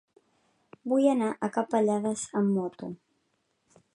Vull anar a Capellades amb moto.